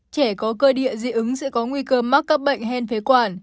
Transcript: trẻ có cơ địa dị ứng sẽ có nguy cơ mắc các bệnh hen phế quản